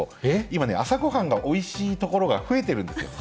今、朝ごはんがおいしいところが増えているんですよ。